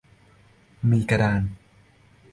มีกระดาน